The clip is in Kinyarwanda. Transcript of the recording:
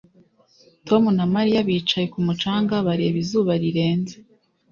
Tom na Mariya bicaye ku mucanga bareba izuba rirenze